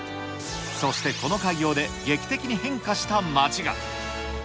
そしてこの開業で、劇的に変化した街が。